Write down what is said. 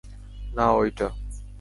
না, অইটা।